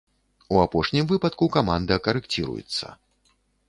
У апошнім выпадку каманда карэкціруецца.